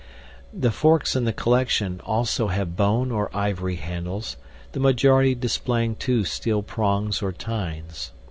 The forks in the collection also have bone or ivory handles, the majority displaying 2 steel prongs, or tines.